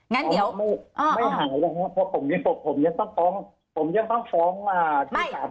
ไม่หายนะคะเพราะผมยังต้องพร้อมมา